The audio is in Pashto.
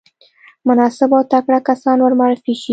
مناسب او تکړه کسان ورمعرفي شي.